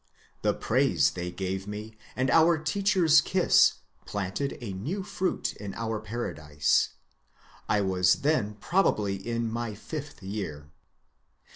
The praise they gave me, and our teacher's kiss, planted a new fruit in our paradise. I was then probably in my fifth year.